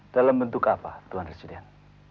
dalam bentuk apa tuan resident